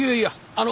あの。